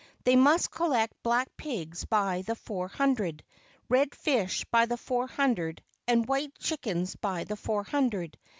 They must collect black pigs by the four hundred, red fish by the four hundred, and white chickens by the four hundred.